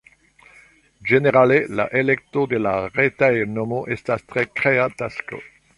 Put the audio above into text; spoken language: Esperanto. Ĝenerale, la elekto de la retej-nomo estas tre krea tasko.